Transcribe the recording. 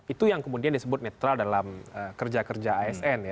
itu yang kemudian disebut netral dalam kerja kerja asn ya